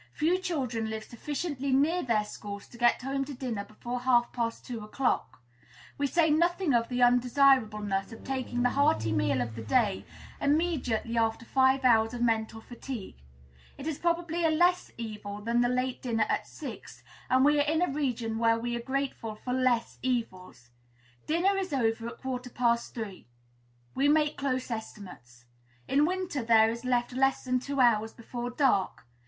Few children live sufficiently near their schools to get home to dinner before half past two o'clock. We say nothing of the undesirableness of taking the hearty meal of the day immediately after five hours of mental fatigue; it is probably a less evil than the late dinner at six, and we are in a region where we are grateful for less evils! Dinner is over at quarter past three; we make close estimates. In winter there is left less than two hours before dark.